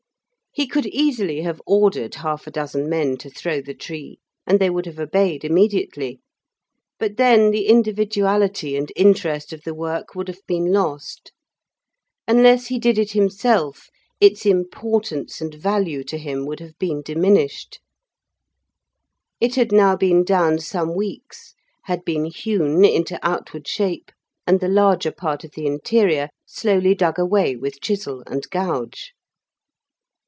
He could easily have ordered half a dozen men to throw the tree, and they would have obeyed immediately; but then the individuality and interest of the work would have been lost. Unless he did it himself its importance and value to him would have been diminished. It had now been down some weeks, had been hewn into outward shape, and the larger part of the interior slowly dug away with chisel and gouge.